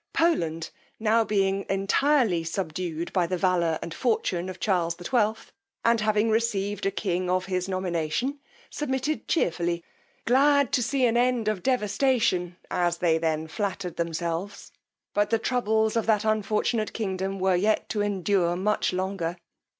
Poland being now entirely subdued by the valour and fortune of Charles XII. and having received a king of his nomination, submitted cheerfully, glad to see an end of devastation, as they then flattered themselves; but the troubles of that unfortunate kingdom were yet to endure much longer.